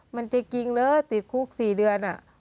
มันจะจริงเลยติดคุก๔เดือน